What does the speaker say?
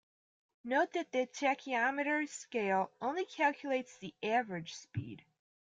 Note that the tachymeter scale only calculates the average speed.